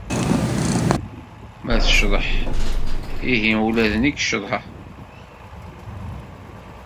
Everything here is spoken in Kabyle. Ma teccḍeḍ ihi ula d nekk ccḍeɣ.